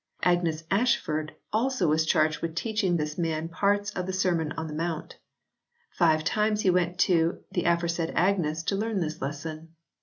Agnes Ashford also was charged with teaching this man part of the Sermon on the Mount. "Five times he went to the aforesaid Agnes to learn this lesson...